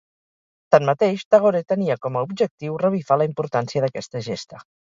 Tanmateix, Tagore tenia com a objectiu revifar la importància d'aquesta gesta.